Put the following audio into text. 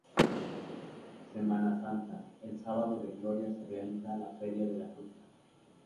Semana Santa, el Sábado de Gloria se realiza la Feria de la Fruta.